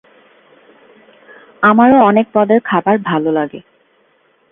আমারও অনেক পদের খাবার ভালো লাগে।